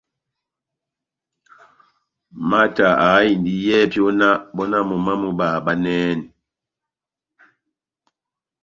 Mata aháhindi yɛ́hɛ́pi ó náh bɔ náh momó wamu báháhabanɛhɛni.